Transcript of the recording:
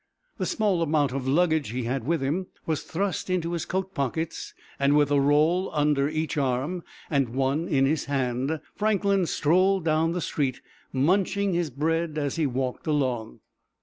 The small amount of luggage he had with him was thrust into his coat pockets, and with a roll under either arm, and one in his hand, Franklin strolled down the street, munching his bread as he walked along.